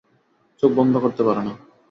চোখ বন্ধ করতে পারে না।